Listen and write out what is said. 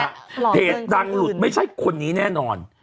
หลอกเงินคุณอื่นเนี้ยไม่ใช่คนนี้แน่นอน